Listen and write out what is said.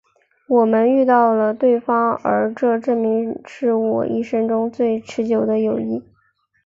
我们遇到了对方而这证明是我一生中最持久的友谊。